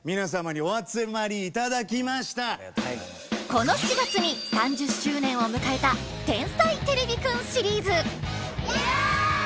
この４月に３０周年を迎えた「天才てれびくん」シリーズ！